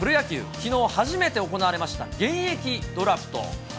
きのう初めて行われました、現役ドラフト。